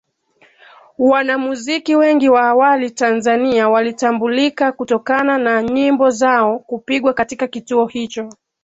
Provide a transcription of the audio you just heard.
Wanamuziki wengi wa awali Tanzania walitambulika kutokana na nyimbo zao kupigwa katika kituo hicho